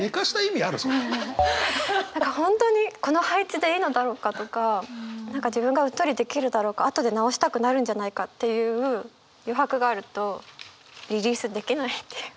何か本当にこの配置でいいのだろうかとか何か自分がうっとりできるだろうか後で直したくなるんじゃないかっていう余白があるとリリースできないっていう。